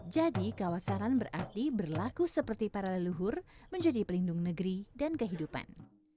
jadi kawasaran berarti berlaku seperti para leluhur menjadi pelindung negeri dan kehidupan